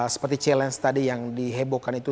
seperti challenge tadi yang dihebohkan itu